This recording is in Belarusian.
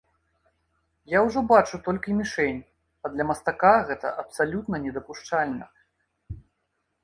Я ўжо бачу толькі мішэнь, а для мастака гэта абсалютна недапушчальна.